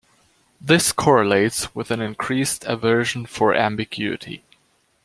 This correlates with an increased aversion for ambiguity.